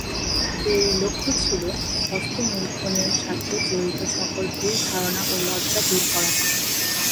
এর লক্ষ্য ছিল হস্তমৈথুন এর সাথে জড়িত সকল ভুল ধারণা ও লজ্জা দূর করা।